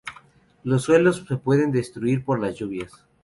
Los suelos se pueden destruir por las lluvias.